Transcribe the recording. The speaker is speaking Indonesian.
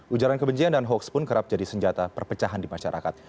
ujaran kebencian dan hoax pun kerap jadi senjata perpecahan di masyarakat